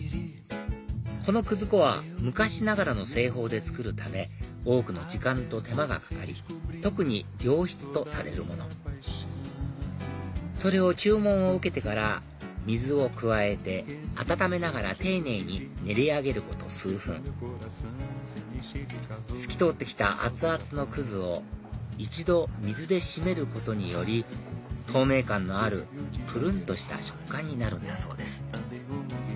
このくず粉は昔ながらの製法で作るため多くの時間と手間がかかり特に上質とされるものそれを注文を受けてから水を加えて温めながら丁寧に練り上げること数分透き通って来た熱々のくずを一度水で締めることにより透明感のあるぷるん！とした食感になるんだそうです